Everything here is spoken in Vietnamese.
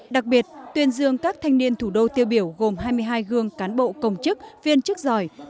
đặc biệt tuyên dương các thanh niên thủ đô tiêu biểu gồm hai mươi hai gương cán bộ công chức viên chức giỏi